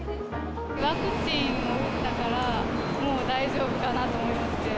ワクチン打ったから、もう大丈夫かなと思いまして。